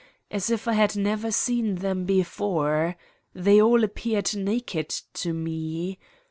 As if I had never seen them before ! They all appeared naked to me.